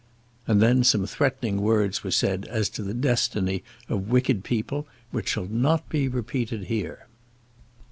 And then some threatening words were said as to the destiny of wicked people, which shall not be repeated here.